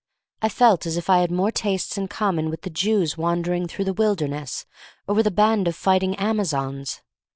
I felt as if I had more tastes in common with the Jews wan dering through the wilderness, or with a band of fighting Amazons.